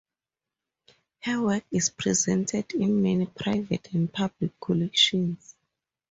Her work is represented in many private and public collections.